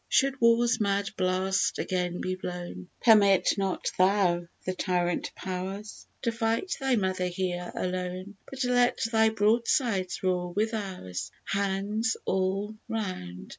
Should war's mad blast again be blown, Permit not thou the tyrant powers To fight thy mother here alone, But let thy broadsides roar with ours. Hands all round!